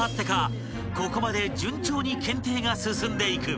ここまで順調に検定が進んでいく］